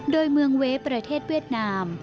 โดยเมืองเวฟประเทศเวียดนาม